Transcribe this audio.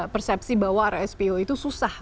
persepsi bahwa rspo itu susah